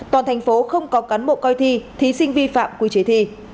toàn thành phố không có cán bộ coi thi thí sinh vi phạm quy chế thi